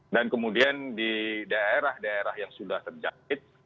dan kemudian di daerah daerah yang sudah terjahit